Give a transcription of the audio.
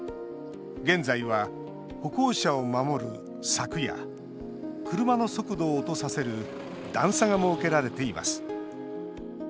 現在は歩行者を守る柵や車の速度を落とさせる段差が設けられています。